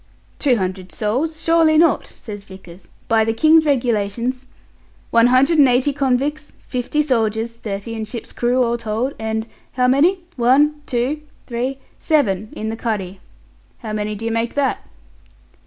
"Two hundred souls! Surely not," says Vickers. "By the King's Regulations " "One hundred and eighty convicts, fifty soldiers, thirty in ship's crew, all told, and how many? one, two three seven in the cuddy. How many do you make that?"